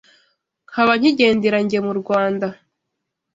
Nkaba nkigendera jye mu Rwanda